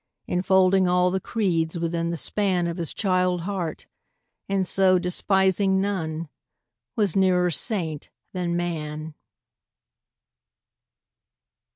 Enfolding all the creeds within the span Of his child heart; and so, despising none, Was nearer saint than man.